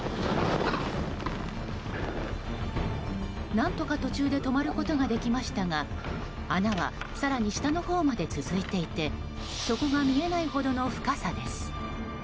何とか途中まで止まることができましたが穴は、更に下のほうまで続いていて底が見えないほどの深さです。